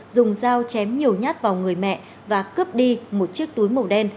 dùng dao chém nhiều nhát vào người mẹ và cướp đi một chiếc túi màu đen